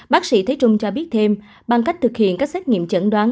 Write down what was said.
bác sĩ thế trung cho biết thêm bằng cách thực hiện các xét nghiệm chẩn đoán